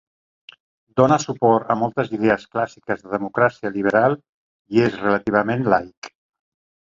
Dona suport a moltes idees clàssiques de democràcia liberal i és relativament laic.